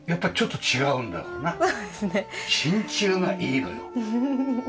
真鍮がいいのよ。